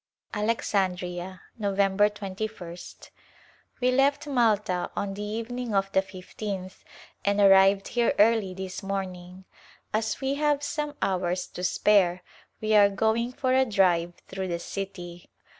Alexandria^ Nov. 21st. We left Malta on the evening of the fifteenth and arrived here early this morning. As we have some hours to spare we are going for a drive through the city.